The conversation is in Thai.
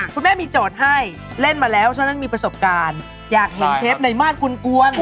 คุณแม่มีโจทย์ให้เล่นมาแล้วเท่านั้นมีประสบการณ์อยากเห็นเชฟในมาตรกุลกวน